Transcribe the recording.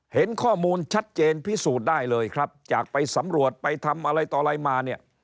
เห็นข้อมูลชัดเจนพิสูจน์ได้เลยครับจากไปสำรวจไปทำอะไรต่ออะไรมาเนี่ย